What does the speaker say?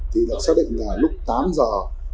thì đã xác định là lúc tám giờ